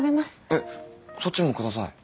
えっそっちも下さい。